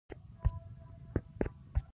زردالو ژېړ رنګ لري او بدن ته ګټه رسوي.